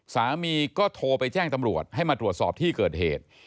สามีก็โทรไปแจ้งตำรวจให้มาตรวจสอบที่เกิดเหตุ